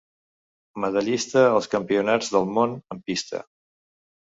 Medallista als Campionats del món en pista.